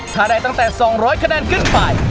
ถ้าได้ตั้งแต่๒๐๐คะแนนขึ้นไป